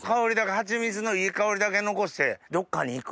ハチミツのいい香りだけ残してどっかにいく。